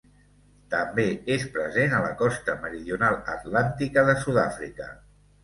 També és present a la costa meridional atlàntica de Sud-àfrica.